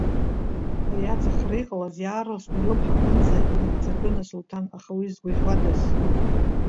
Ари аҵахара иҟалаз иаарласны илымҳа аҟынӡа инагӡатәын Асулҭан, аха уи згуаӷьуадаз.